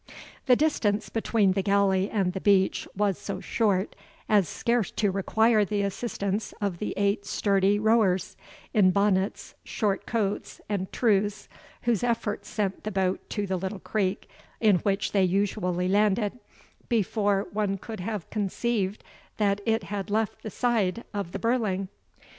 The distance between the galley and the beach was so short as scarce to require the assistance of the eight sturdy rowers, in bonnets, short coats, and trews, whose efforts sent the boat to the little creek in which they usually landed, before one could have conceived that it had left the side of the birling.